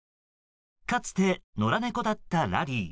かつて野良猫だったラリー。